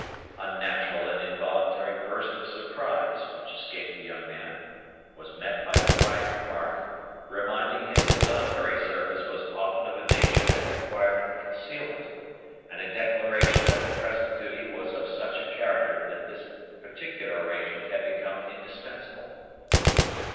A natural and involuntary burst of surprise, which escaped the young man, was met by a quiet remark, reminding him that military service was often of a nature that required concealment, and a declaration that the present duty was of such a character that this particular arrangement had become indispensable.